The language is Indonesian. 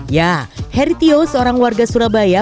ya heritio seorang warga surabaya